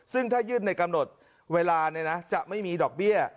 ซึ่งถ้ายื่นในกำหนดเวลาจะไม่มีดอกเบี้ย